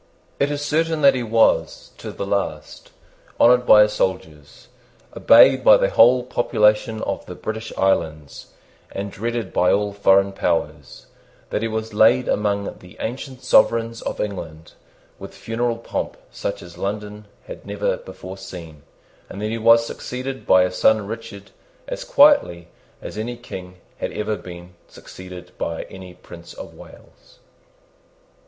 It is certain that he was, to the last, honoured by his soldiers, obeyed by the whole population of the British islands, and dreaded by all foreign powers, that he was laid among the ancient sovereigns of England with funeral pomp such as London had never before seen, and that he was succeeded by his son Richard as quietly as any King had ever been succeeded by any Prince of Wales.